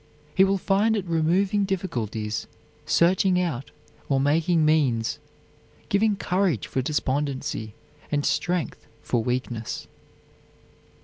He will find it removing difficulties, searching out, or making means; giving courage for despondency, and strength for weakness."